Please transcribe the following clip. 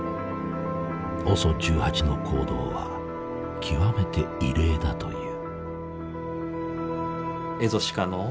ＯＳＯ１８の行動は極めて異例だという。